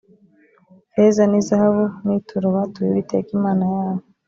feza n’izahabu ni ituro batuye uwiteka imana ya bo